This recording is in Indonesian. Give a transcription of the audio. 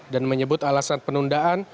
dan menyebut alasan penundaan